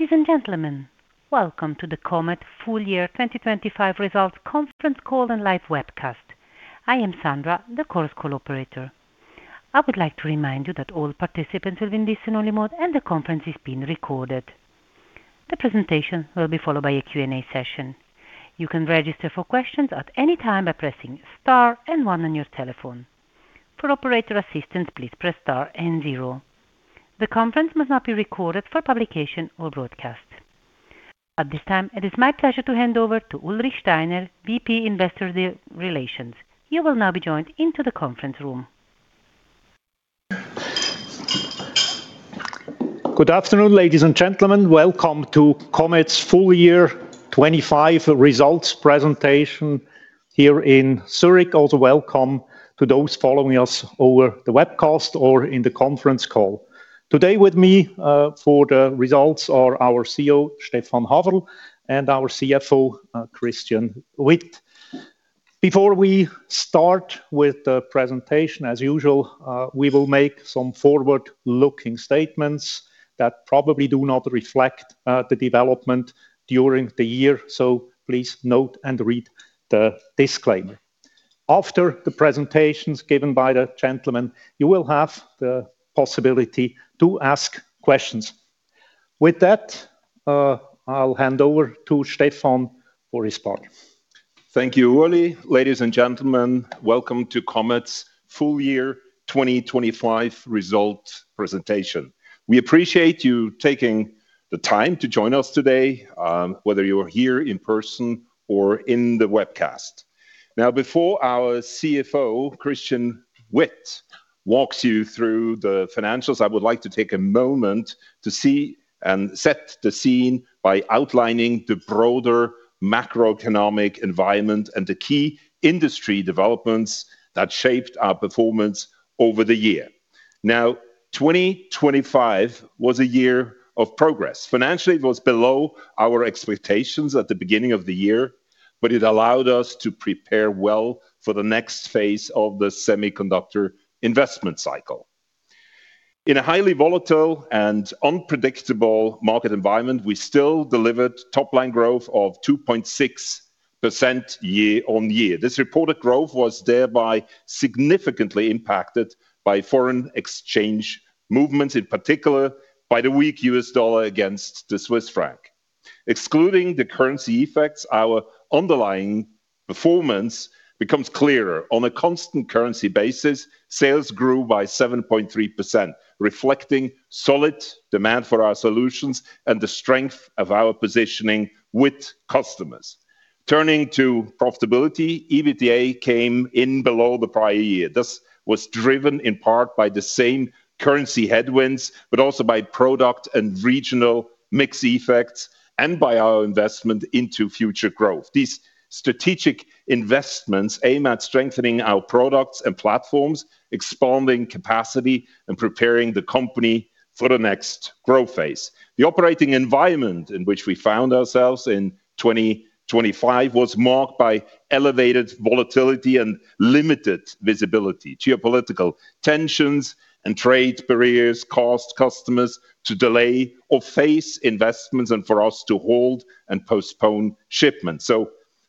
Ladies and gentlemen, welcome to the Comet Full Year 2025 Results Conference Call and live webcast. I am Sandra, the conference call operator. I would like to remind you that all participants are in listen only mode and the conference is being recorded. The presentation will be followed by a Q&A session. You can register for questions at any time by pressing star one on your telephone. For operator assistance, please press star zero. The conference must not be recorded for publication or broadcast. At this time, it is my pleasure to hand over to Ulrich Steiner, VP Investor Relations. He will now be joined into the conference room. Good afternoon, ladies and gentlemen. Welcome to Comet's Full Year 2025 Results presentation here in Zurich. Also welcome to those following us over the webcast or in the conference call. Today with me, for the results are our CEO, Stephan Haferl, and our CFO, Christian Witt. Before we start with the presentation, as usual, we will make some forward-looking statements that probably do not reflect the development during the year. Please note and read the disclaimer. After the presentations given by the gentleman, you will have the possibility to ask questions. With that, I'll hand over to Stephan for his part. Thank you, Uli. Ladies and gentlemen, welcome to Comet's Full Year 2025 Result presentation. We appreciate you taking the time to join us today, whether you're here in person or in the webcast. Before our CFO, Christian Witt, walks you through the financials, I would like to take a moment to see and set the scene by outlining the broader macroeconomic environment and the key industry developments that shaped our performance over the year. 2025 was a year of progress. Financially, it was below our expectations at the beginning of the year, but it allowed us to prepare well for the next phase of the semiconductor investment cycle. In a highly volatile and unpredictable market environment, we still delivered top-line growth of 2.6% year-on-year. This reported growth was thereby significantly impacted by foreign exchange movements, in particular by the weak U.S. dollar against the Swiss franc. Excluding the currency effects, our underlying performance becomes clearer. On a constant currency basis, sales grew by 7.3%, reflecting solid demand for our solutions and the strength of our positioning with customers. Turning to profitability, EBITDA came in below the prior year. This was driven in part by the same currency headwinds, but also by product and regional mix effects, and by our investment into future growth. These strategic investments aim at strengthening our products and platforms, expanding capacity, and preparing the company for the next growth phase. The operating environment in which we found ourselves in 2025 was marked by elevated volatility and limited visibility. Geopolitical tensions and trade barriers caused customers to delay or face investments and for us to hold and postpone shipments.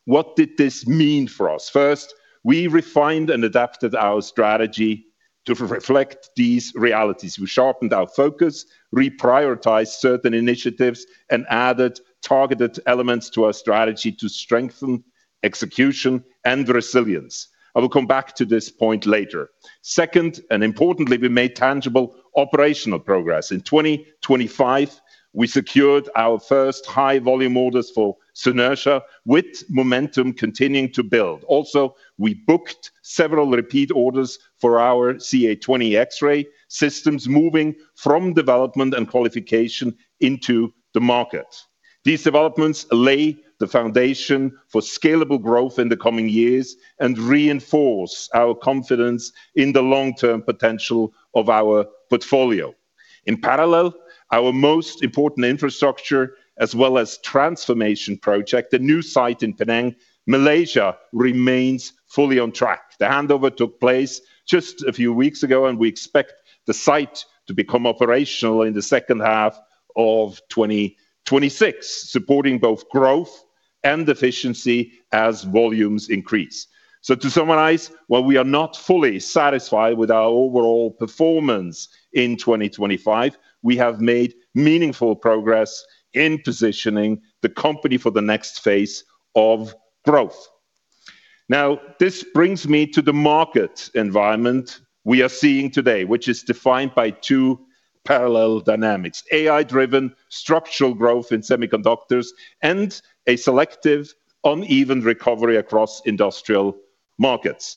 What did this mean for us? First, we refined and adapted our strategy to reflect these realities. We sharpened our focus, reprioritized certain initiatives, and added targeted elements to our strategy to strengthen execution and resilience. I will come back to this point later. Second, and importantly, we made tangible operational progress. In 2025, we secured our first high volume orders for Synertia with momentum continuing to build. Also, we booked several repeat orders for our CA20 X-Ray Systems, moving from development and qualification into the market. These developments lay the foundation for scalable growth in the coming years and reinforce our confidence in the long-term potential of our portfolio. In parallel, our most important infrastructure as well as transformation project, the new site in Penang, Malaysia remains fully on track. The handover took place just a few weeks ago. We expect the site to become operational in the second half of 2026, supporting both growth and efficiency as volumes increase. To summarize, while we are not fully satisfied with our overall performance in 2025, we have made meaningful progress in positioning the company for the next phase of growth. This brings me to the market environment we are seeing today, which is defined by two parallel dynamics: AI-driven structural growth in semiconductors and a selective uneven recovery across industrial markets.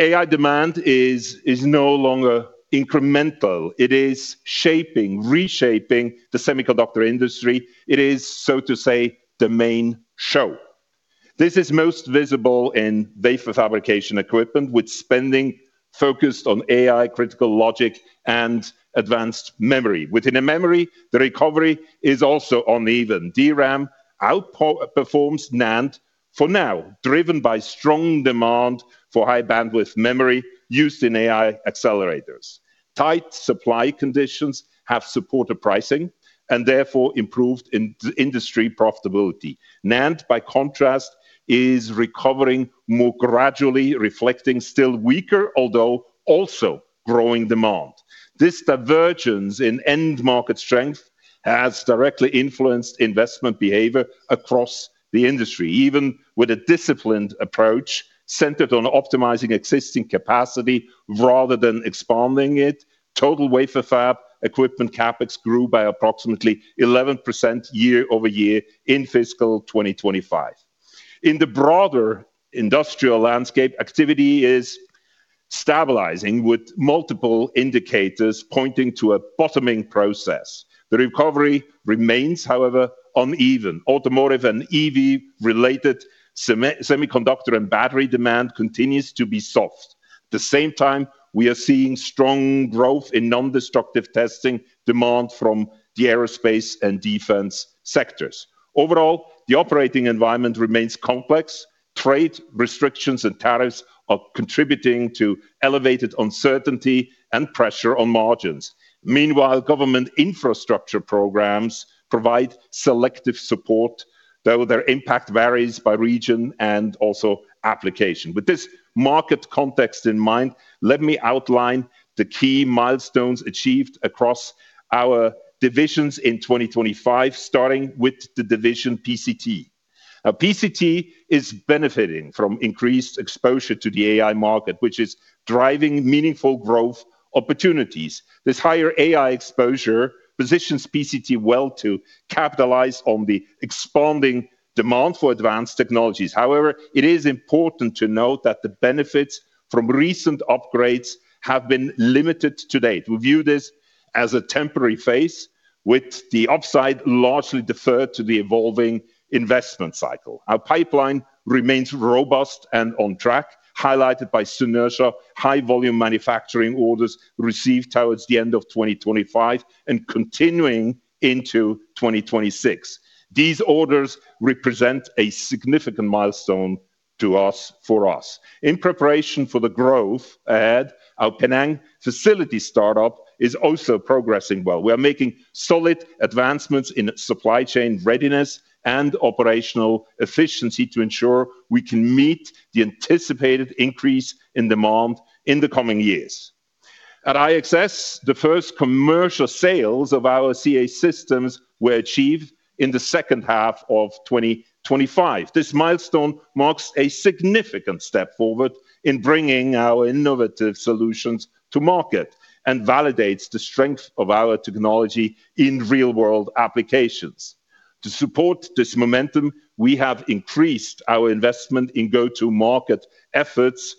AI demand is no longer incremental. It is shaping, reshaping the semiconductor industry. It is, so to say, the main show. This is most visible in wafer fabrication equipment with spending focused on AI-critical logic and advanced memory. Within a memory, the recovery is also uneven. DRAM outperforms NAND for now, driven by strong demand for high bandwidth memory used in AI accelerators. Tight supply conditions have supported pricing and therefore improved in industry profitability. NAND, by contrast, is recovering more gradually, reflecting still weaker although also growing demand. This divergence in end market strength has directly influenced investment behavior across the industry, even with a disciplined approach centered on optimizing existing capacity rather than expanding it. Total wafer fab equipment CapEx grew by approximately 11% year-over-year in fiscal 2025. In the broader industrial landscape, activity is stabilizing with multiple indicators pointing to a bottoming process. The recovery remains, however, uneven. Automotive and EV related semiconductor and battery demand continues to be soft. At the same time, we are seeing strong growth in non-destructive testing demand from the aerospace and defense sectors. Overall, the operating environment remains complex. Trade restrictions and tariffs are contributing to elevated uncertainty and pressure on margins. Meanwhile, government infrastructure programs provide selective support, though their impact varies by region and also application. With this market context in mind, let me outline the key milestones achieved across our divisions in 2025, starting with the division PCT. Now, PCT is benefiting from increased exposure to the AI market, which is driving meaningful growth opportunities. This higher AI exposure positions PCT well to capitalize on the expanding demand for advanced technologies. However, it is important to note that the benefits from recent upgrades have been limited to date. We view this as a temporary phase, with the upside largely deferred to the evolving investment cycle. Our pipeline remains robust and on track, highlighted by Synertia's high volume manufacturing orders received towards the end of 2025 and continuing into 2026. These orders represent a significant milestone for us. In preparation for the growth ahead, our Penang facility startup is also progressing well. We are making solid advancements in supply chain readiness and operational efficiency to ensure we can meet the anticipated increase in demand in the coming years. At IXS, the first commercial sales of our CA20 systems were achieved in the second half of 2025. This milestone marks a significant step forward in bringing our innovative solutions to market and validates the strength of our technology in real world applications. To support this momentum, we have increased our investment in go to market efforts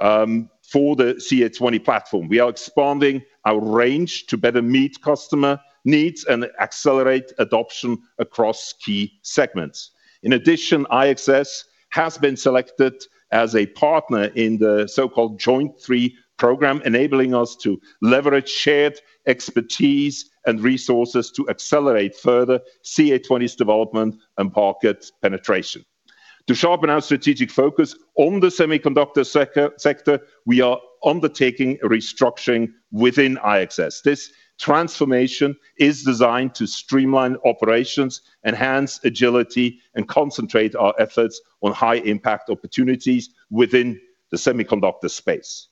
for the CA20 platform. We are expanding our range to better meet customer needs and accelerate adoption across key segments. In addition, IXS has been selected as a partner in the so-called Joint Three program, enabling us to leverage shared expertise and resources to accelerate further CA20's development and market penetration. To sharpen our strategic focus on the semiconductor sector, we are undertaking a restructuring within IXS. This transformation is designed to streamline operations, enhance agility and concentrate our efforts on high impact opportunities within the semiconductor space.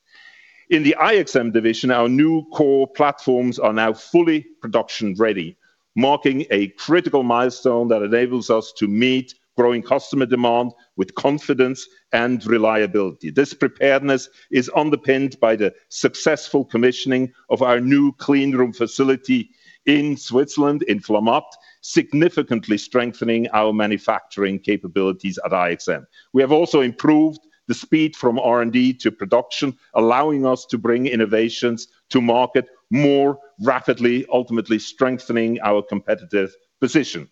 In the IXM division, our new core platforms are now fully production ready, marking a critical milestone that enables us to meet growing customer demand with confidence and reliability. This preparedness is underpinned by the successful commissioning of our new clean room facility in Switzerland, in Flamatt, significantly strengthening our manufacturing capabilities at IXM. We have also improved the speed from R&D to production, allowing us to bring innovations to market more rapidly, ultimately strengthening our competitive position.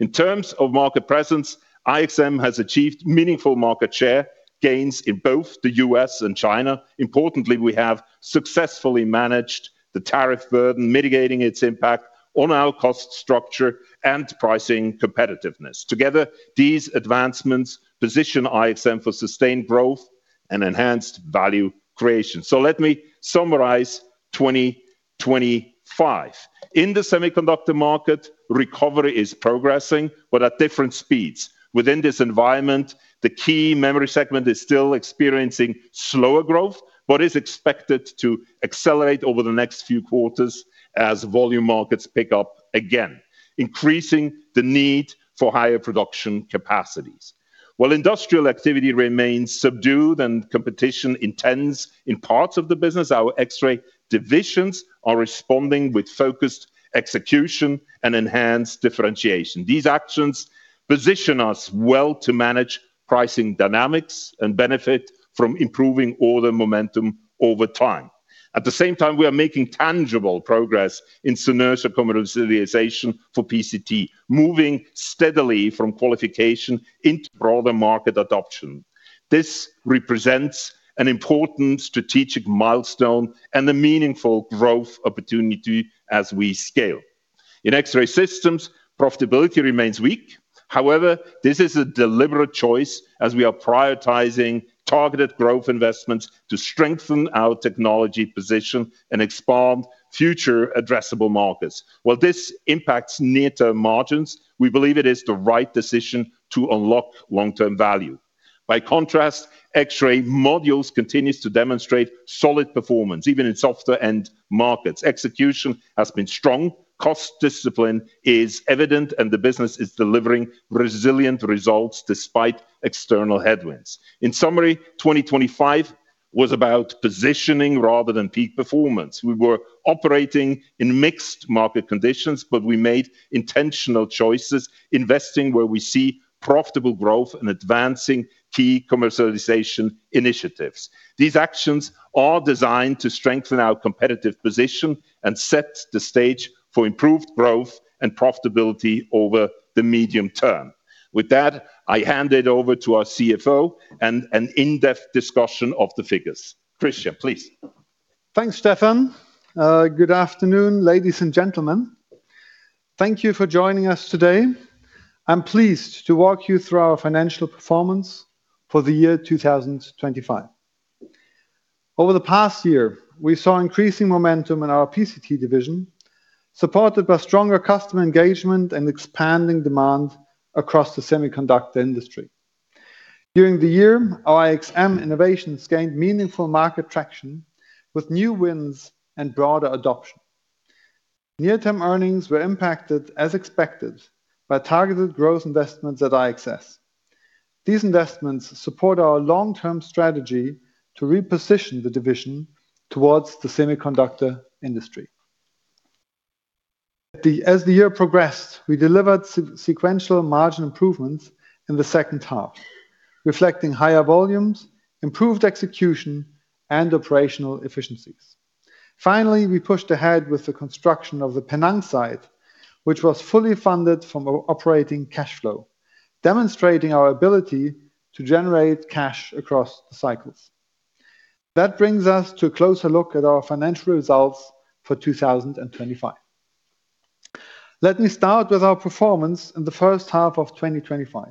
In terms of market presence, IXM has achieved meaningful market share gains in both the U.S. And China. Importantly, we have successfully managed the tariff burden, mitigating its impact on our cost structure and pricing competitiveness. Together, these advancements position IXM for sustained growth and enhanced value creation. Let me summarize 2025. In the semiconductor market, recovery is progressing but at different speeds. Within this environment, the key memory segment is still experiencing slower growth, but is expected to accelerate over the next few quarters as volume markets pick up again, increasing the need for higher production capacities. While industrial activity remains subdued and competition intense in parts of the business, our X-Ray divisions are responding with focused execution and enhanced differentiation. These actions position us well to manage pricing dynamics and benefit from improving order momentum over time. At the same time, we are making tangible progress in Synertia commercialization for PCT, moving steadily from qualification into broader market adoption. This represents an important strategic milestone and a meaningful growth opportunity as we scale. In X-Ray Systems, profitability remains weak. However, this is a deliberate choice as we are prioritizing targeted growth investments to strengthen our technology position and expand future addressable markets. While this impacts near-term margins, we believe it is the right decision to unlock long-term value. By contrast, X-Ray Modules continues to demonstrate solid performance, even in softer end markets. Execution has been strong, cost discipline is evident, and the business is delivering resilient results despite external headwinds. In summary, 2025 was about positioning rather than peak performance. We were operating in mixed market conditions, we made intentional choices, investing where we see profitable growth and advancing key commercialization initiatives. These actions are designed to strengthen our competitive position and set the stage for improved growth and profitability over the medium term. With that, I hand it over to our CFO and an in-depth discussion of the figures. Christian, please. Thanks, Stephan. Good afternoon, ladies and gentlemen. Thank you for joining us today. I'm pleased to walk you through our financial performance for the year 2025. Over the past year, we saw increasing momentum in our PCT division, supported by stronger customer engagement and expanding demand across the semiconductor industry. During the year, our IXM innovations gained meaningful market traction with new wins and broader adoption. Near-term earnings were impacted as expected by targeted growth investments at IXS. These investments support our long-term strategy to reposition the division towards the semiconductor industry. As the year progressed, we delivered sequential margin improvements in the second half, reflecting higher volumes, improved execution, and operational efficiencies. Finally, we pushed ahead with the construction of the Penang site, which was fully funded from operating cash flow, demonstrating our ability to generate cash across the cycles. That brings us to a closer look at our financial results for 2025. Let me start with our performance in the first half of 2025.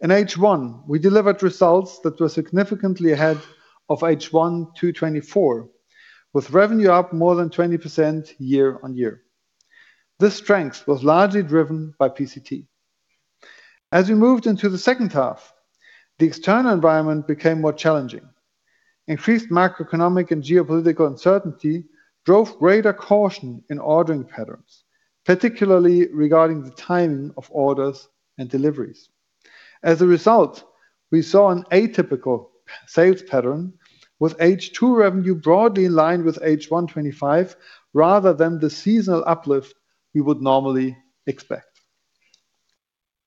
In H1, we delivered results that were significantly ahead of H1 2024, with revenue up more than 20% year-on-year. This strength was largely driven by PCT. As we moved into the second half, the external environment became more challenging. Increased macroeconomic and geopolitical uncertainty drove greater caution in ordering patterns, particularly regarding the timing of orders and deliveries. As a result, we saw an atypical sales pattern with H2 revenue broadly in line with H1 2025, rather than the seasonal uplift we would normally expect.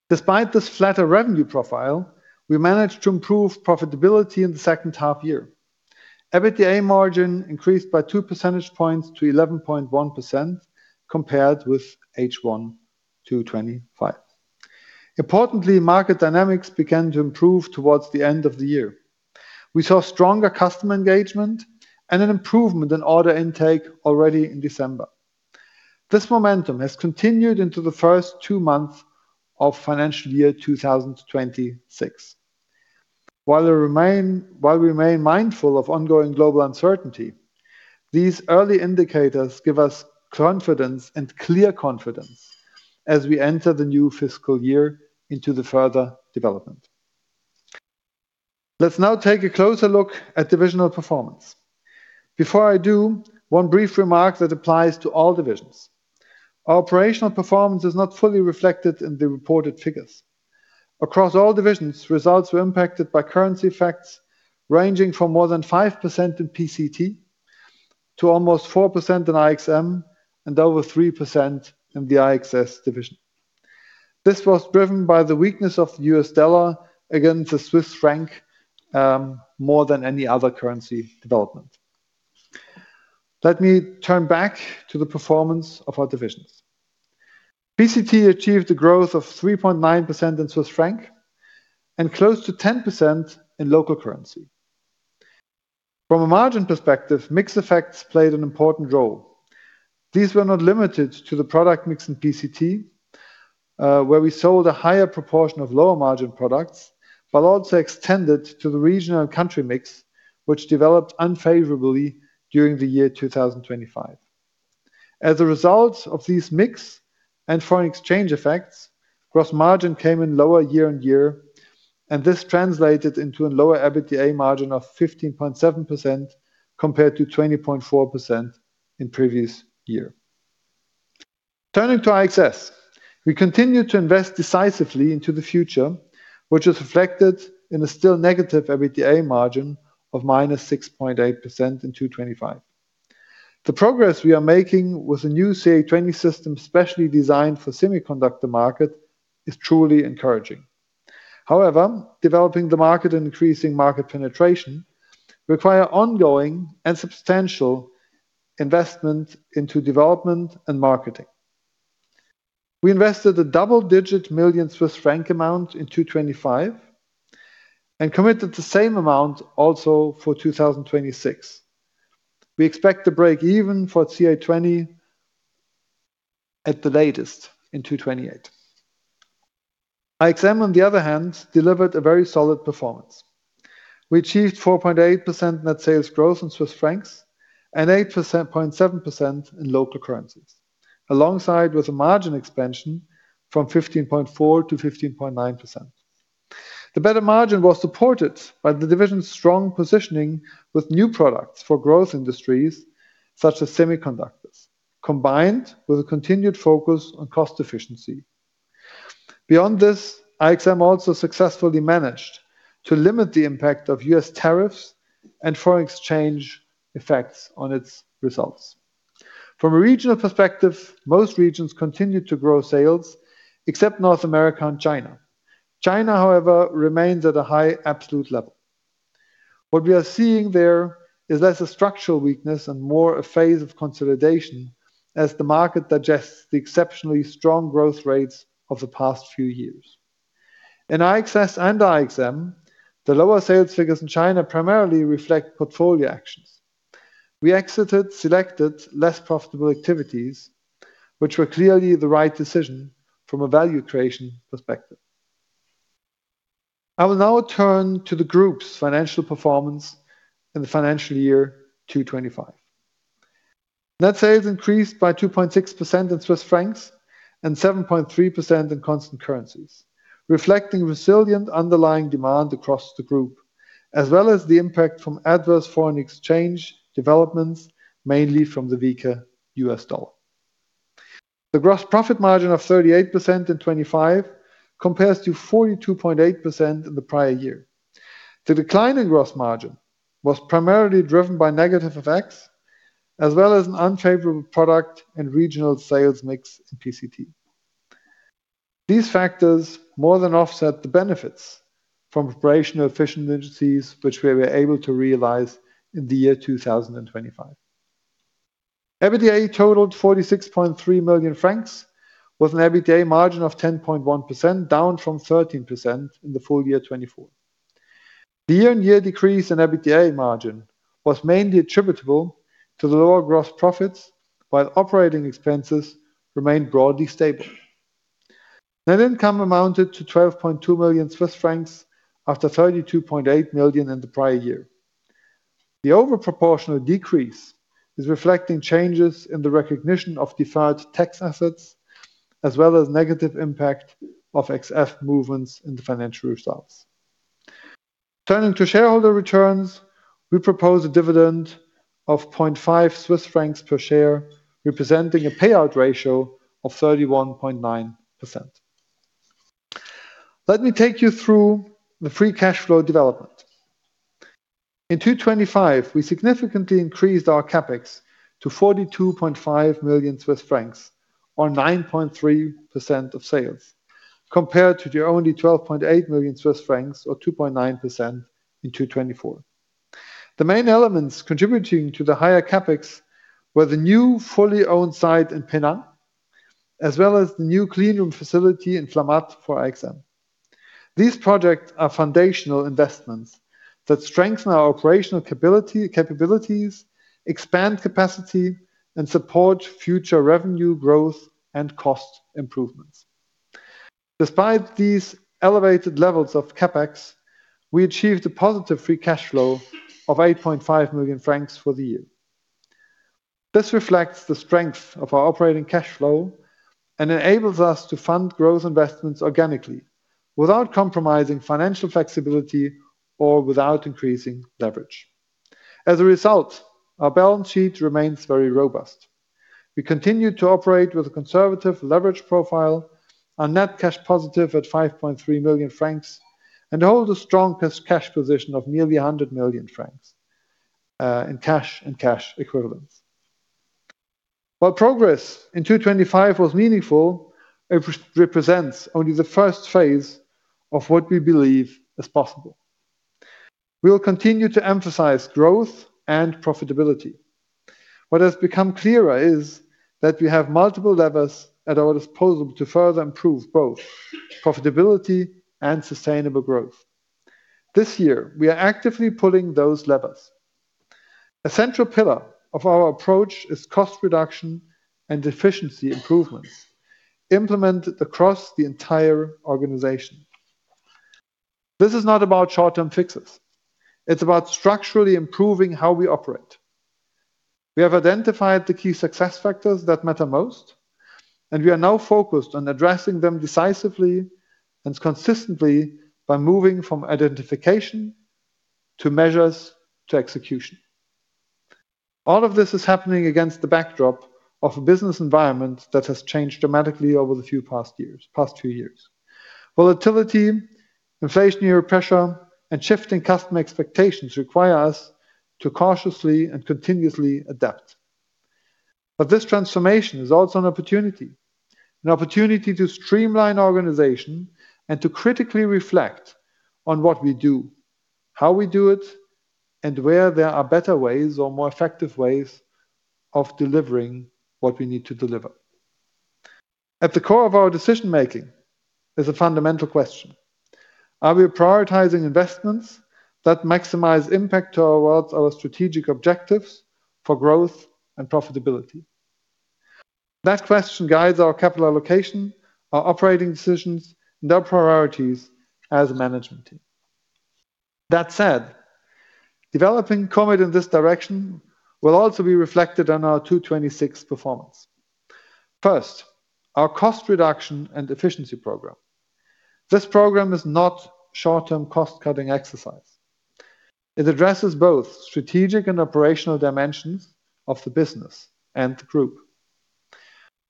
Despite this flatter revenue profile, we managed to improve profitability in the second half year. EBITDA margin increased by 2 percentage points to 11.1% compared with H1 2025. Market dynamics began to improve towards the end of the year. We saw stronger customer engagement and an improvement in order intake already in December. This momentum has continued into the first two months of financial year 2026. While we remain mindful of ongoing global uncertainty, these early indicators give us confidence and clear confidence as we enter the new fiscal year into the further development. Let's now take a closer look at divisional performance. Before I do, one brief remark that applies to all divisions. Our operational performance is not fully reflected in the reported figures. Across all divisions, results were impacted by currency effects ranging from more than 5% in PCT to almost 4% in IXM and over 3% in the IXS division. This was driven by the weakness of the US dollar against the Swiss franc, more than any other currency development. Let me turn back to the performance of our divisions. PCT achieved a growth of 3.9% in Swiss franc and close to 10% in local currency. From a margin perspective, mix effects played an important role. These were not limited to the product mix in PCT, where we sold a higher proportion of lower margin products, but also extended to the regional and country mix, which developed unfavorably during the year 2025. As a result of these mix and foreign exchange effects, gross margin came in lower year-on-year, this translated into a lower EBITDA margin of 15.7% compared to 20.4% in previous year. Turning to IXS, we continue to invest decisively into the future, which is reflected in a still negative EBITDA margin of -6.8% in 2025. The progress we are making with the new CA20 system, specially designed for semiconductor market, is truly encouraging. Developing the market and increasing market penetration require ongoing and substantial investment into development and marketing. We invested a double-digit million CHF amount in 2025, committed the same amount also for 2026. We expect to break even for CA20 at the latest in 2028. IXM, on the other hand, delivered a very solid performance. We achieved 4.8% net sales growth in CHF and 8.7% in local currencies. Alongside with a margin expansion from 15.4%-15.9%. The better margin was supported by the division's strong positioning with new products for growth industries such as semiconductors, combined with a continued focus on cost efficiency. Beyond this, IXM also successfully managed to limit the impact of U.S. tariffs and foreign exchange effects on its results. From a regional perspective, most regions continued to grow sales except North America and China. China, however, remains at a high absolute level. What we are seeing there is less a structural weakness and more a phase of consolidation as the market digests the exceptionally strong growth rates of the past few years. In IXS and IXM, the lower sales figures in China primarily reflect portfolio actions. We exited selected less profitable activities, which were clearly the right decision from a value creation perspective. I will now turn to the group's financial performance in the financial year 2025. Net sales increased by 2.6% in CHF and 7.3% in constant currencies, reflecting resilient underlying demand across the group, as well as the impact from adverse foreign exchange developments, mainly from the weaker US dollar. The gross profit margin of 38% in 2025 compares to 42.8% in the prior year. The decline in gross margin was primarily driven by negative effects, as well as an unfavorable product and regional sales mix in PCT. These factors more than offset the benefits from operational efficiencies which we were able to realize in the year 2025. EBITDA totaled 46.3 million francs, with an EBITDA margin of 10.1%, down from 13% in the full year 2024. The year-on-year decrease in EBITDA margin was mainly attributable to the lower gross profits, while operating expenses remained broadly stable. Net income amounted to 12.2 million Swiss francs after 32.8 million in the prior year. The overproportional decrease is reflecting changes in the recognition of deferred tax assets as well as negative impact of XF movements in the financial results. Turning to shareholder returns, we propose a dividend of 0.5 Swiss francs per share, representing a payout ratio of 31.9%. Let me take you through the free cash flow development. In 2025, we significantly increased our CapEx to 42.5 million Swiss francs, or 9.3% of sales, compared to the only 12.8 million Swiss francs or 2.9% in 2024. The main elements contributing to the higher CapEx were the new fully owned site in Penang, as well as the new clean room facility in Flamatt for IXM. These projects are foundational investments that strengthen our operational capabilities, expand capacity, and support future revenue growth and cost improvements. Despite these elevated levels of CapEx, we achieved a positive free cash flow of 8.5 million francs for the year. This reflects the strength of our operating cash flow and enables us to fund growth investments organically without compromising financial flexibility or without increasing leverage. As a result, our balance sheet remains very robust. We continue to operate with a conservative leverage profile and net cash positive at 5.3 million francs, and hold a strong cash position of nearly 100 million francs in cash and cash equivalents. While progress in 2025 was meaningful, it re-represents only the first phase of what we believe is possible. We will continue to emphasize growth and profitability. What has become clearer is that we have multiple levers at our disposal to further improve both profitability and sustainable growth. This year, we are actively pulling those levers. A central pillar of our approach is cost reduction and efficiency improvements implemented across the entire organization. This is not about short-term fixes. It's about structurally improving how we operate. We have identified the key success factors that matter most, we are now focused on addressing them decisively and consistently by moving from identification to measures to execution. All of this is happening against the backdrop of a business environment that has changed dramatically over the past few years. Volatility, inflationary pressure, and shifting customer expectations require us to cautiously and continuously adapt. This transformation is also an opportunity. An opportunity to streamline our organization and to critically reflect on what we do, how we do it, and where there are better ways or more effective ways of delivering what we need to deliver. At the core of our decision-making is a fundamental question: Are we prioritizing investments that maximize impact towards our strategic objectives for growth and profitability? That question guides our capital allocation, our operating decisions, and our priorities as a management team. That said, developing Comet in this direction will also be reflected on our 2026 performance. First, our cost reduction and efficiency program. This program is not short-term cost-cutting exercise. It addresses both strategic and operational dimensions of the business and the Group.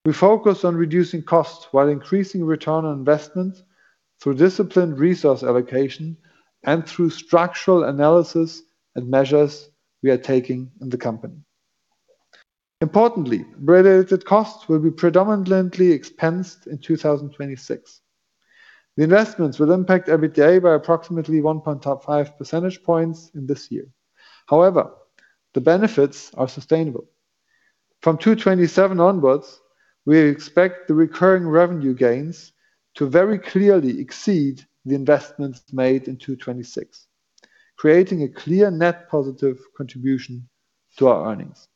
We focus on reducing costs while increasing return on investment through disciplined resource allocation and through structural analysis and measures we are taking in the company. Importantly, related costs will be predominantly expensed in 2026. The investments will impact EBITDA by approximately 1.5 percentage points in this year. The benefits are sustainable. From 2027 onwards, we expect the recurring revenue gains to very clearly exceed the investments made in 2026, creating a clear net positive contribution to our earnings.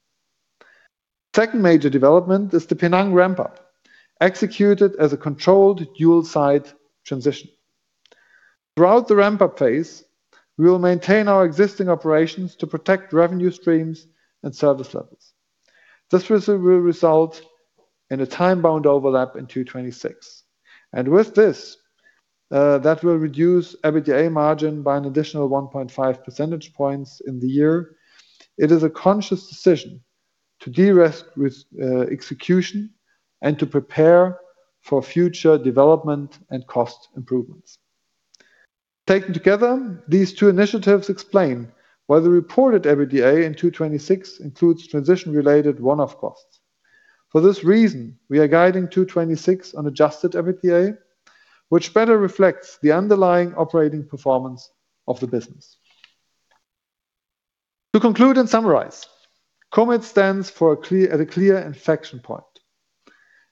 Major development is the Penang ramp-up, executed as a controlled dual-site transition. Throughout the ramp-up phase, we will maintain our existing operations to protect revenue streams and service levels. This will result in a time-bound overlap in 2026. With this, that will reduce EBITDA margin by an additional 1.5 percentage points in the year. It is a conscious decision to de-risk with execution and to prepare for future development and cost improvements. Taken together, these two initiatives explain why the reported EBITDA in 2026 includes transition-related one-off costs. For this reason, we are guiding 2026 on adjusted EBITDA, which better reflects the underlying operating performance of the business. To conclude and summarize, Comet stands at a clear inflection point.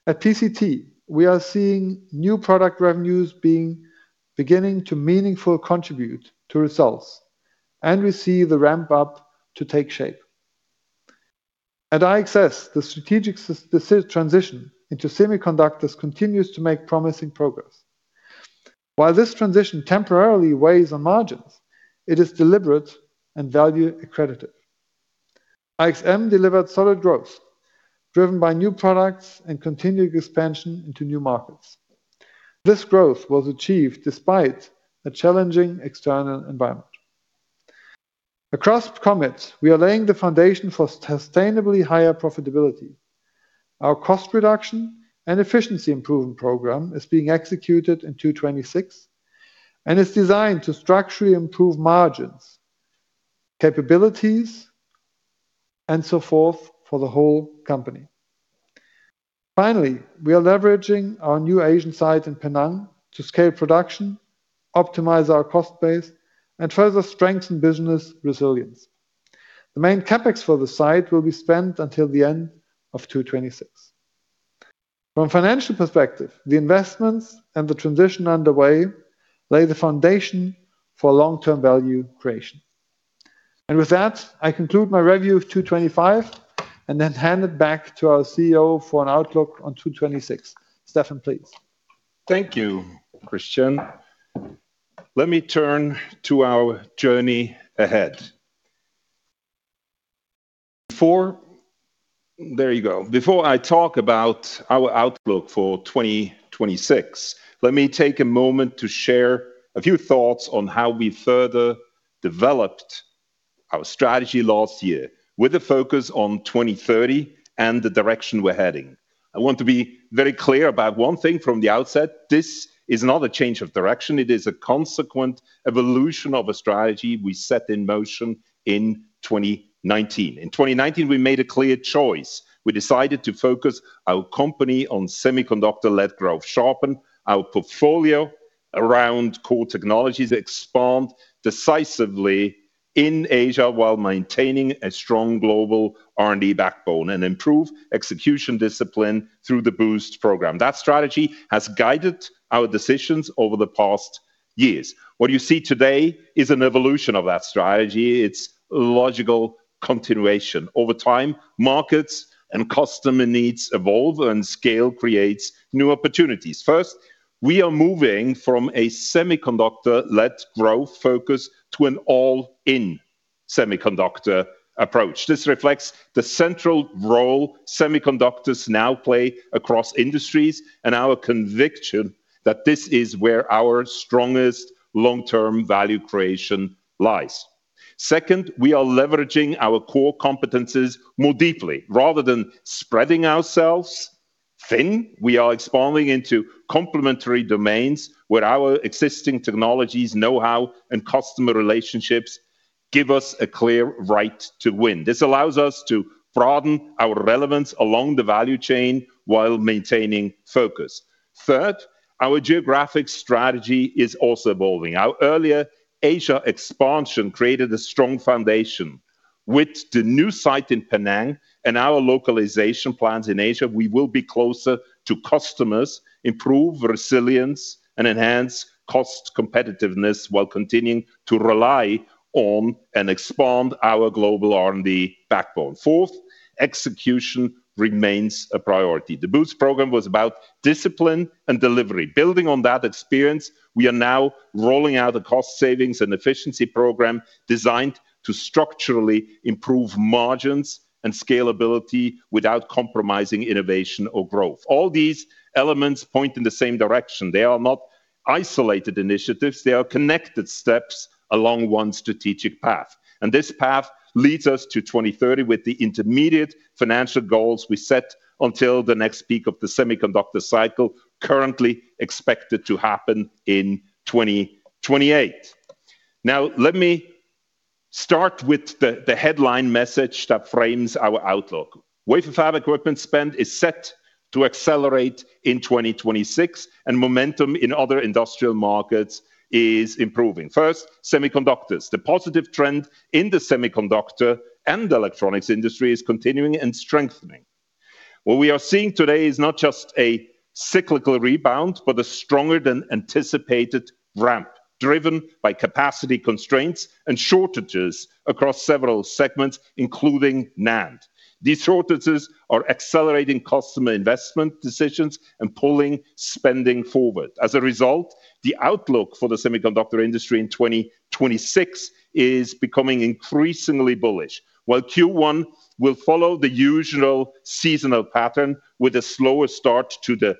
At TCT, we are seeing new product revenues beginning to meaningful contribute to results, and we see the ramp-up to take shape. At IXS, the strategic transition into semiconductors continues to make promising progress. While this transition temporarily weighs on margins, it is deliberate and value-accreditive. IXM delivered solid growth driven by new products and continued expansion into new markets. This growth was achieved despite a challenging external environment. Across Comet, we are laying the foundation for sustainably higher profitability. Our cost reduction and efficiency improvement program is being executed in 2026 and is designed to structurally improve margins, capabilities, and so forth for the whole company. Finally, we are leveraging our new Asian site in Penang to scale production, optimize our cost base, and further strengthen business resilience. The main CapEx for the site will be spent until the end of 2026. From financial perspective, the investments and the transition underway lay the foundation for long-term value creation. With that, I conclude my review of 2025 then hand it back to our CEO for an outlook on 2026. Stephan, please. Thank you, Christian. Let me turn to our journey ahead. There you go. Before I talk about our outlook for 2026, let me take a moment to share a few thoughts on how we further developed our strategy last year with a focus on 2030 and the direction we're heading. I want to be very clear about one thing from the outset. This is not a change of direction. It is a consequent evolution of a strategy we set in motion in 2019. In 2019, we made a clear choice. We decided to focus our company on semiconductor-led growth, sharpen our portfolio around core technologies, expand decisively in Asia while maintaining a strong global R&D backbone, and improve execution discipline through the Boost program. That strategy has guided our decisions over the past years. What you see today is an evolution of that strategy. It's logical continuation. Over time, markets and customer needs evolve, and scale creates new opportunities. First, we are moving from a semiconductor-led growth focus to an all-in semiconductor approach. This reflects the central role semiconductors now play across industries and our conviction that this is where our strongest long-term value creation lies. Second, we are leveraging our core competencies more deeply. Rather than spreading ourselves thin, we are expanding into complementary domains where our existing technologies, know-how, and customer relationships give us a clear right to win. This allows us to broaden our relevance along the value chain while maintaining focus. Third, our geographic strategy is also evolving. Our earlier Asia expansion created a strong foundation. With the new site in Penang and our localization plans in Asia, we will be closer to customers, improve resilience, and enhance cost competitiveness while continuing to rely on and expand our global R&D backbone. Fourth, execution remains a priority. The Boost program was about discipline and delivery. Building on that experience, we are now rolling out a cost savings and efficiency program designed to structurally improve margins and scalability without compromising innovation or growth. All these elements point in the same direction. They are not isolated initiatives, they are connected steps along one strategic path. This path leads us to 2030 with the intermediate financial goals we set until the next peak of the semiconductor cycle currently expected to happen in 2028. Now, let me start with the headline message that frames our outlook. Wafer fab equipment spend is set to accelerate in 2026, and momentum in other industrial markets is improving. First, semiconductors. The positive trend in the semiconductor and electronics industry is continuing and strengthening. What we are seeing today is not just a cyclical rebound, but a stronger than anticipated ramp, driven by capacity constraints and shortages across several segments, including NAND. These shortages are accelerating customer investment decisions and pulling spending forward. As a result, the outlook for the semiconductor industry in 2026 is becoming increasingly bullish. While Q1 will follow the usual seasonal pattern with a slower start to the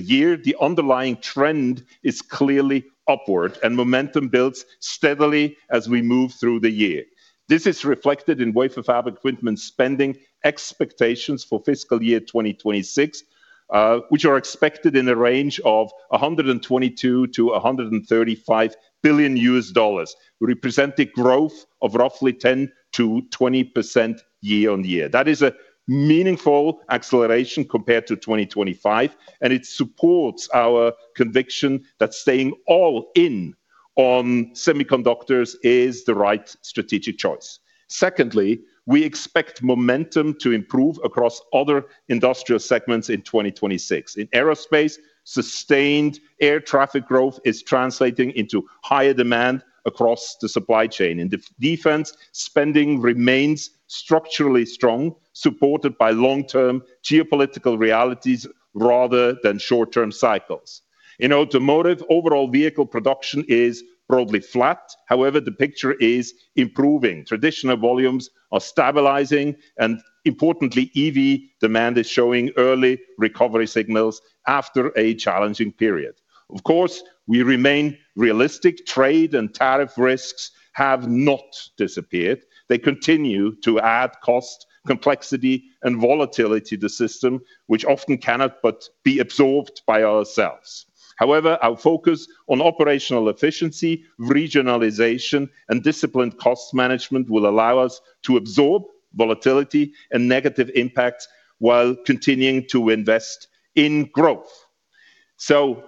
year, the underlying trend is clearly upward, and momentum builds steadily as we move through the year. This is reflected in wafer fab equipment spending expectations for fiscal year 2026, which are expected in the range of $122 billion-$135 billion, representing growth of roughly 10%-20% year-on-year. That is a meaningful acceleration compared to 2025, and it supports our conviction that staying all in on semiconductors is the right strategic choice. Secondly, we expect momentum to improve across other industrial segments in 2026. In aerospace, sustained air traffic growth is translating into higher demand across the supply chain. In defense, spending remains structurally strong, supported by long-term geopolitical realities rather than short-term cycles. In automotive, overall vehicle production is broadly flat. However, the picture is improving. Traditional volumes are stabilizing, and importantly, EV demand is showing early recovery signals after a challenging period. Of course, we remain realistic. Trade and tariff risks have not disappeared. They continue to add cost, complexity, and volatility to the system, which often cannot but be absorbed by ourselves. However, our focus on operational efficiency, regionalization, and disciplined cost management will allow us to absorb volatility and negative impacts while continuing to invest in growth.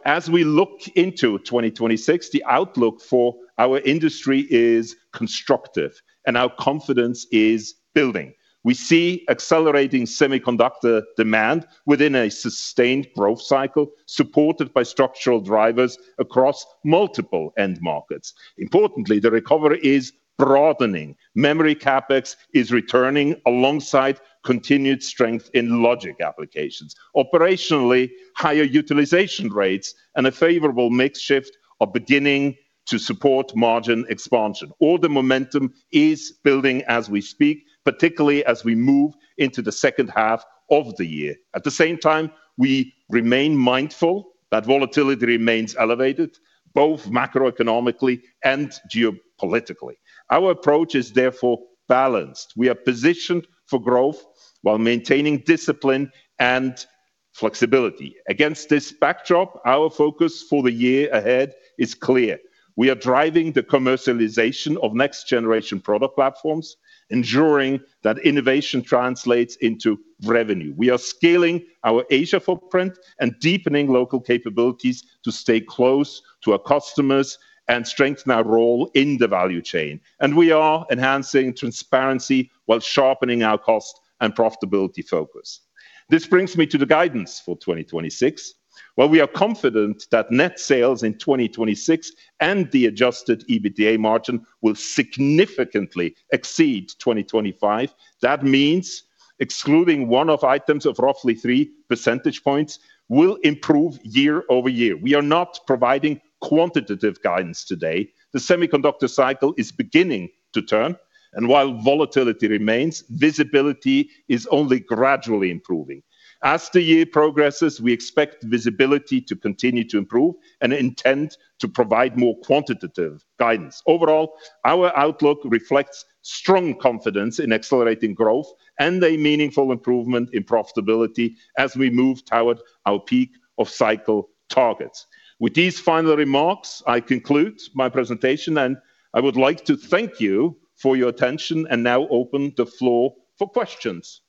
As we look into 2026, the outlook for our industry is constructive, and our confidence is building. We see accelerating semiconductor demand within a sustained growth cycle, supported by structural drivers across multiple end markets. Importantly, the recovery is broadening. Memory CapEx is returning alongside continued strength in logic applications. Operationally, higher utilization rates and a favorable mix shift are beginning to support margin expansion. Order momentum is building as we speak, particularly as we move into the second half of the year. At the same time, we remain mindful that volatility remains elevated, both macroeconomically and geopolitically. Our approach is therefore balanced. We are positioned for growth while maintaining discipline and flexibility. Against this backdrop, our focus for the year ahead is clear. We are driving the commercialization of next-generation product platforms, ensuring that innovation translates into revenue. We are scaling our Asia footprint and deepening local capabilities to stay close to our customers and strengthen our role in the value chain. We are enhancing transparency while sharpening our cost and profitability focus. This brings me to the guidance for 2026. While we are confident that net sales in 2026 and the adjusted EBITDA margin will significantly exceed 2025, that means excluding one-off items of roughly 3 percentage points will improve year-over-year. We are not providing quantitative guidance today. The semiconductor cycle is beginning to turn, and while volatility remains, visibility is only gradually improving. As the year progresses, we expect visibility to continue to improve and intend to provide more quantitative guidance. Overall, our outlook reflects strong confidence in accelerating growth and a meaningful improvement in profitability as we move toward our peak of cycle targets. With these final remarks, I conclude my presentation, and I would like to thank you for your attention and now open the floor for questions.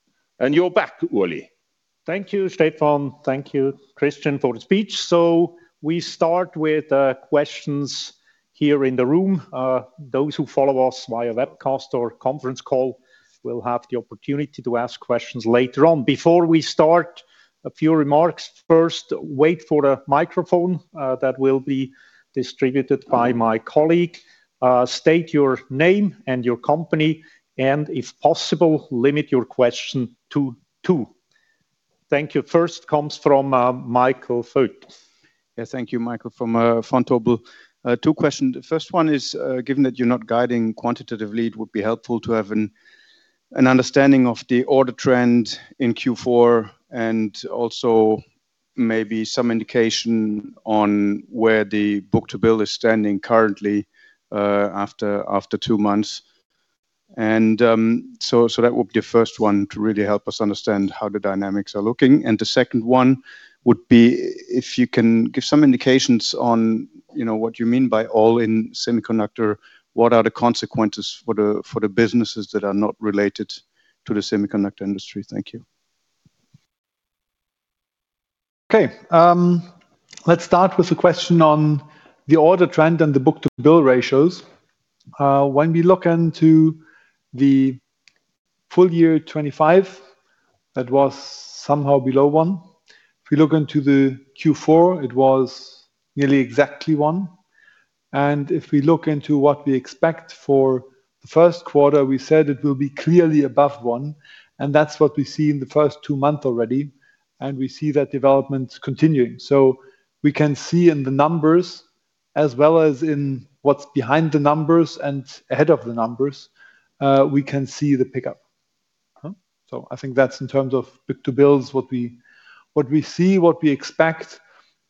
You're back, Uli. Thank you, Stephan. Thank you, Christian, for the speech. We start with questions here in the room. Those who follow us via webcast or conference call will have the opportunity to ask questions later on. Before we start, a few remarks. First, wait for a microphone that will be distributed by my colleague. State your name and your company, and if possible, limit your question to two. Thank you. First comes from Michael Voigt. Thank you. Michael from Vontobel. Two questions. The first one is given that you're not guiding quantitatively, it would be helpful to have an understanding of the order trend in Q4, and also maybe some indication on where the book-to-bill is standing currently after two months. That would be the first one to really help us understand how the dynamics are looking. The second one would be if you can give some indications on, you know, what you mean by all-in semiconductor. What are the consequences for the businesses that are not related to the semiconductor industry? Thank you. Okay. Let's start with the question on the order trend and the book-to-bill ratios. When we look into the full year 2025, that was somehow below one. If we look into the Q4, it was nearly exactly one. If we look into what we expect for the first quarter, we said it will be clearly above one, and that's what we see in the first two month already, and we see that development continuing. We can see in the numbers as well as in what's behind the numbers and ahead of the numbers, we can see the pickup. Huh? I think that's in terms of book-to-bills, what we, what we see, what we expect,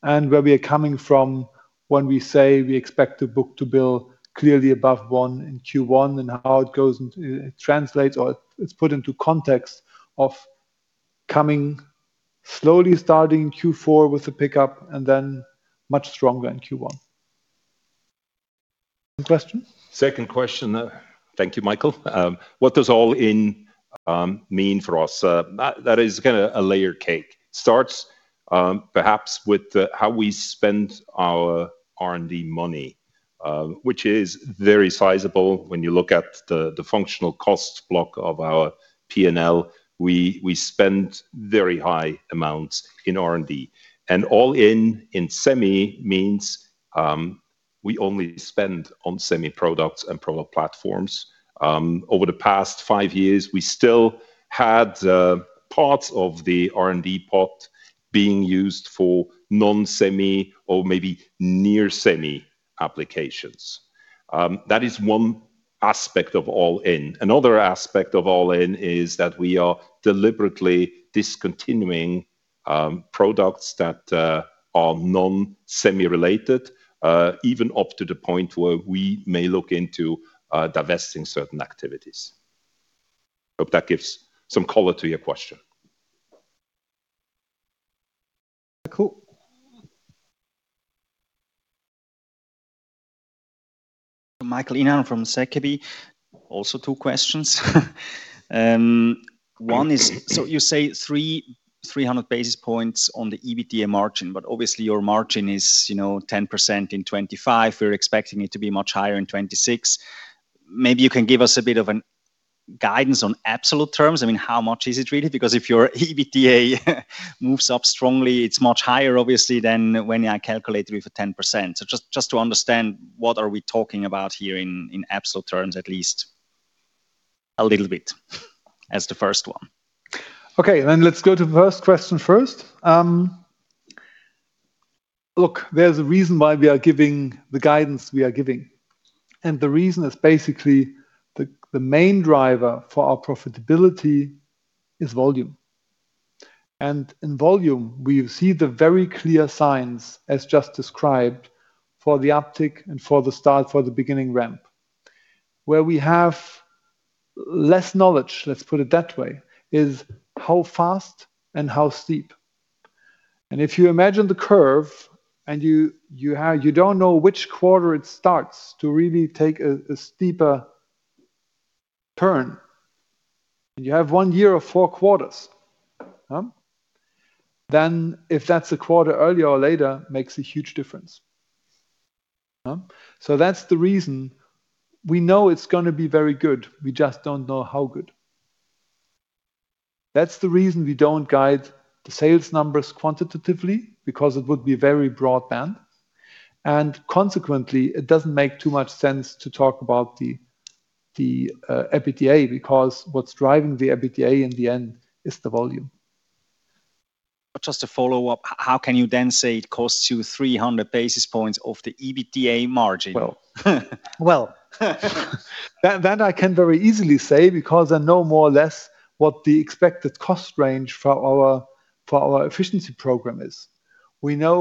and where we are coming from when we say we expect the book-to-bill clearly above 1 in Q1 and how it translates or it's put into context of coming slowly starting Q4 with a pickup and then much stronger in Q1. Second question? Second question. Thank you, Michael. What does all-in mean for us? That is kinda a layered cake. Starts perhaps with how we spend our R&D money, which is very sizable when you look at the functional cost block of our P&L. We spend very high amounts in R&D. All-in in semi means we only spend on semi products and product platforms. Over the past five years, we still had parts of the R&D pot being used for non-semi or maybe near semi applications. That is one aspect of all-in. Another aspect of all-in is that we are deliberately discontinuing products that are non-semi-related, even up to the point where we may look into divesting certain activities. Hope that gives some color to your question. Cool. Michael Ihnen from ZKB. Two questions. You say 300 basis points on the EBITDA margin, but obviously your margin is, you know, 10% in 2025. We're expecting it to be much higher in 2026. Maybe you can give us a bit of an guidance on absolute terms. I mean, how much is it really? If your EBITDA moves up strongly, it's much higher obviously than when I calculate with 10%. Just to understand what are we talking about here in absolute terms, at least a little bit as the first one. Okay. Let's go to the first question first. Look, there's a reason why we are giving the guidance we are giving, and the reason is basically the main driver for our profitability is volume. In volume we see the very clear signs, as just described, for the uptick and for the start, for the beginning ramp. Where we have less knowledge, let's put it that way, is how fast and how steep. If you imagine the curve and you don't know which quarter it starts to really take a steeper turn, and you have 1 year or 4 quarters. If that's a quarter earlier or later makes a huge difference. That's the reason we know it's gonna be very good. We just don't know how good. That's the reason we don't guide the sales numbers quantitatively because it would be very broad band, and consequently, it doesn't make too much sense to talk about the EBITDA because what's driving the EBITDA in the end is the volume. Jut a follow-up. How can you then say it costs you 300 basis points of the EBITDA margin? Well, that I can very easily say because I know more or less what the expected cost range for our efficiency program is. We know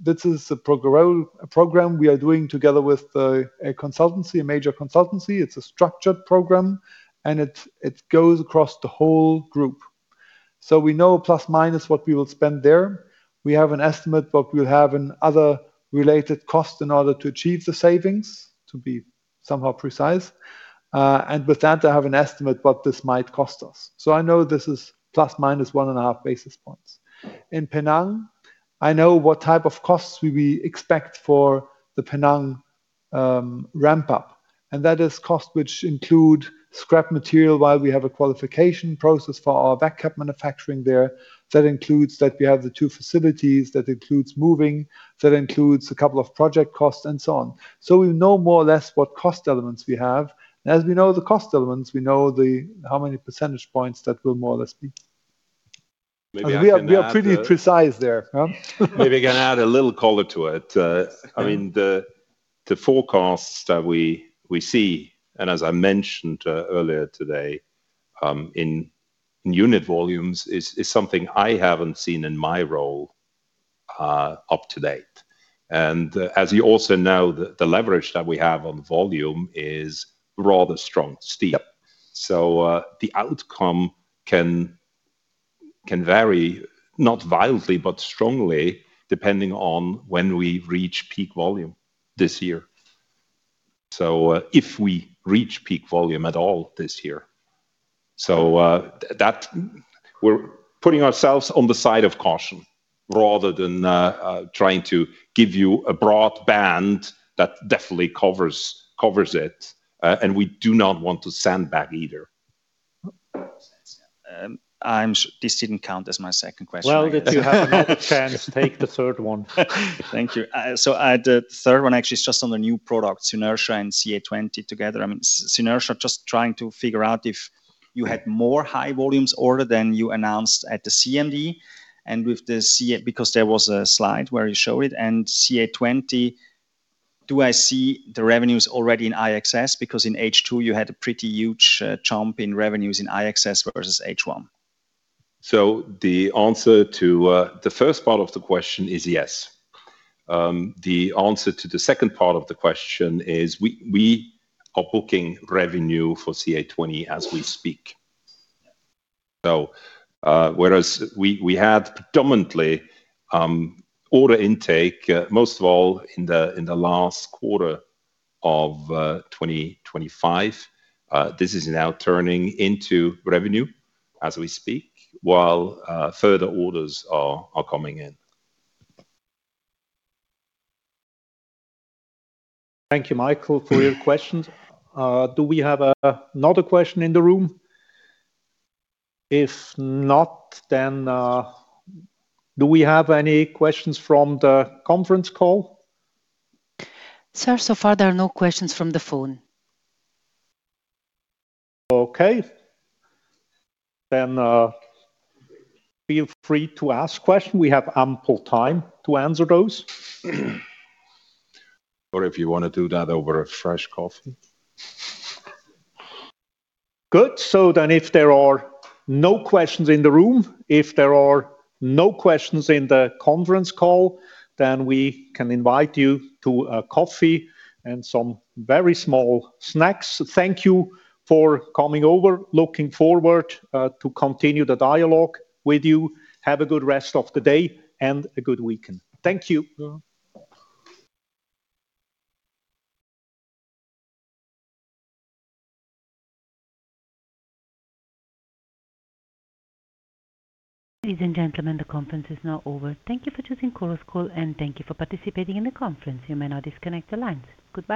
this is a program we are doing together with a consultancy, a major consultancy. It's a structured program, and it goes across the whole group. We know plus minus what we will spend there. We have an estimate, but we'll have an other related cost in order to achieve the savings to be somehow precise. With that, I have an estimate what this might cost us. I know this is plus minus 1.5 basis points. In Penang, I know what type of costs we expect for the Penang ramp up, and that is cost which include scrap material while we have a qualification process for our vacuum capacitor manufacturing there. That includes that we have the two facilities, that includes moving, that includes a couple of project costs and so on. We know more or less what cost elements we have. As we know the cost elements, we know the how many percentage points that will more or less be. Maybe I can add. We are pretty precise there, huh? Maybe I can add a little color to it. I mean, the forecasts that we see, as I mentioned, earlier today, in unit volumes is something I haven't seen in my role, up to date. As you also know, the leverage that we have on volume is rather strong, steep. Yep. The outcome can vary, not violently, but strongly, depending on when we reach peak volume this year. If we reach peak volume at all this year. We're putting ourselves on the side of caution rather than trying to give you a broad band that definitely covers it. We do not want to sandbag either. This didn't count as my second question. Well, that you have another chance to take the third one. Thank you. The third one actually is just on the new product, Synertia and CA20 together. I mean, Synertia, just trying to figure out if you had more high volumes order than you announced at the CMD and with the CA, because there was a slide where you show it. CA20, do I see the revenues already in IXS? Because in H2, you had a pretty huge jump in revenues in IXS versus H1. The answer to the first part of the question is yes. The answer to the second part of the question is we are booking revenue for CA20 as we speak. Whereas we had predominantly order intake most of all in the last quarter of 2025. This is now turning into revenue as we speak, while further orders are coming in. Thank you, Michael, for your questions. Do we have another question in the room? If not, do we have any questions from the conference call? Sir, so far there are no questions from the phone. Okay. Feel free to ask question. We have ample time to answer those. If you wanna do that over a fresh coffee. Good. If there are no questions in the room, if there are no questions in the conference call, then we can invite you to a coffee and some very small snacks. Thank you for coming over. Looking forward to continue the dialogue with you. Have a good rest of the day and a good weekend. Thank you. Ladies and gentlemen, the conference is now over. Thank you for choosing Chorus Call, and thank you for participating in the conference. You may now disconnect the lines. Goodbye.